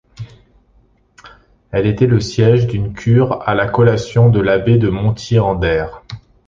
Elle était le siège d'une cure à la collation de l'abbé de Montier-en-Der.